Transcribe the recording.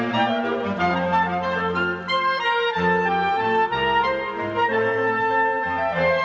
สวัสดีครับสวัสดีครับ